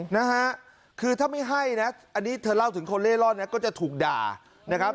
นะฮะคือถ้าไม่ให้นะอันนี้เธอเล่าถึงคนเล่ร่อนนะก็จะถูกด่านะครับ